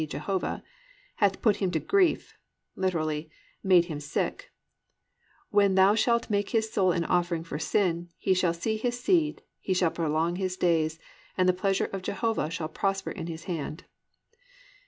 e., Jehovah) +hath put him to grief+ (literally, made him sick): +when thou shalt make his soul an offering for sin, he shall see his seed, he shall prolong his days, and the pleasure of Jehovah shall prosper in his hand."